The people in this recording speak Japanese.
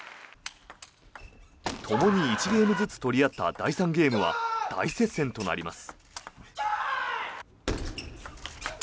ともに１ゲームずつ取り合った第３ゲームは大接戦となります。